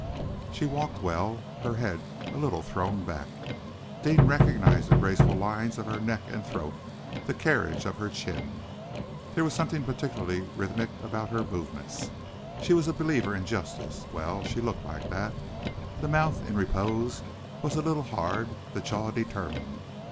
She walked well, her head a little thrown back. Deane recognized the graceful lines of her neck and throat, the carriage of her chin. There was something particularly rhythmic about her movements. She was a believer in justice! Well, she looked like that. The mouth, in repose, was a little hard, the jaw determined.